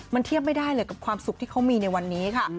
มันเทียบไม่ได้เลยกับความสุขที่เขามีในวันนี้ค่ะ